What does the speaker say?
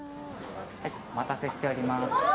お待たせしております。